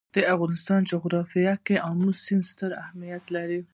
د افغانستان جغرافیه کې آمو سیند ستر اهمیت لري.